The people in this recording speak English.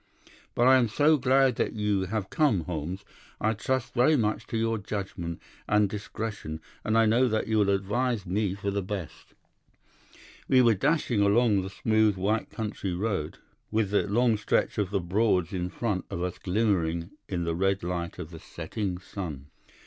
But I am so glad that you have come, Holmes. I trust very much to your judgment and discretion, and I know that you will advise me for the best.' "We were dashing along the smooth white country road, with the long stretch of the Broads in front of us glimmering in the red light of the setting sun.